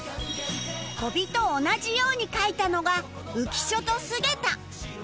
小尾と同じように書いたのが浮所と菅田